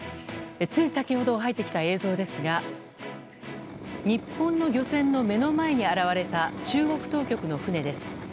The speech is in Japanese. つい先ほど入ってきた映像ですが日本の漁船の目の前に現れた中国当局の船です。